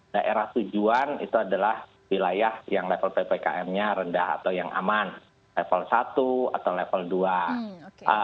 daerah tujuan itu adalah wilayah yang level ppkm nya rendah atau yang aman level satu atau level dua